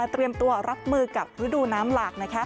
เตรียมตัวรับมือกับฤดูน้ำหลาก